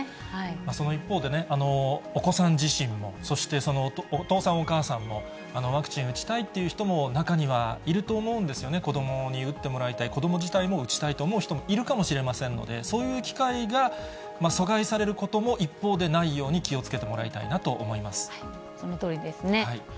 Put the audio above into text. その一方でね、お子さん自身も、そしてそのお父さん、お母さんも、ワクチン打ちたいという人も、中にはいると思うんですよね、子どもに打ってもらいたい、子ども自体も打ちたいと思う人もいるかもしれませんので、そういう機会が阻害されることも、一方で、ないように気をつけてもそのとおりですね。